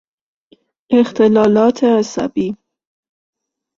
اختلالات عصبی